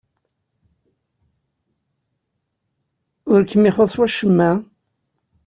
Ur kem-ixuṣṣ wacemma?